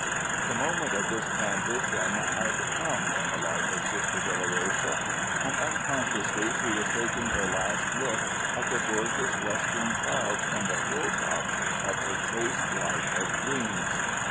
The moment of this transition had come in the life of Sister Dolorosa, and unconsciously she was taking her last look at the gorgeous western clouds from the hill tops of her chaste life of dreams.